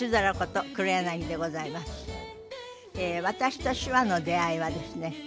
私と手話の出会いはですね